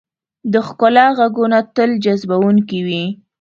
د ښکلا ږغونه تل جذبونکي وي.